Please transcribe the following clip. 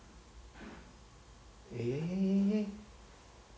え。